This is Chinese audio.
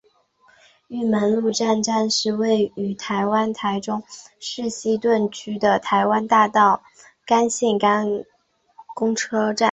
玉门路站站是位于台湾台中市西屯区的台湾大道干线公车站。